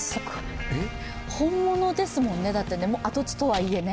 本物ですもんね、跡地とはいえね。